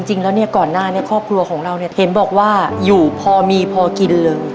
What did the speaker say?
จริงแล้วเนี่ยก่อนหน้านี้ครอบครัวของเราเนี่ยเห็นบอกว่าอยู่พอมีพอกินเลย